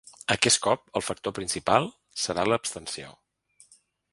Aquest cop, el factor principal serà l’abstenció.